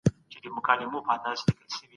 موږ به د سولي له پاره نوي لاري ولټوو.